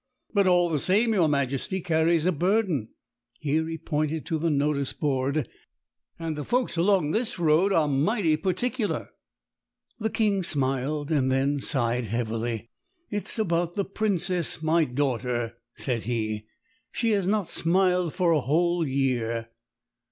"But, all the same, your Majesty carries a burden," here he pointed to the notice board, "and the folks along this road are mighty particular." The King smiled and then sighed heavily. "It's about the Princess, my daughter," said he; "she has not smiled for a whole year."